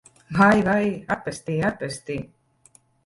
Vai, vai! Atpestī! Atpestī!